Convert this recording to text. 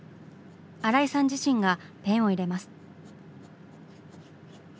新井さん自身がペンを入れます。